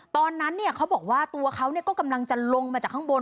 ตอนนั้นเขาบอกว่าตัวเขาก็กำลังจะลงมาจากข้างบน